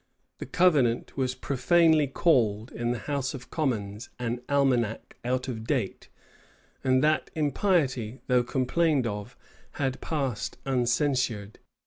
The covenant was profanely called, in the house of commons an almanac out of date;[*] and that impiety, though complained of, had passed uncensured.